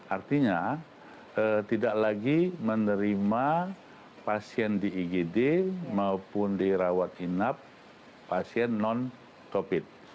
artinya tidak lagi menerima pasien di igd maupun dirawat inap pasien non covid